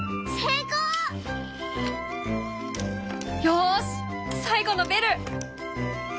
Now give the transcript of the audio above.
よし最後のベル！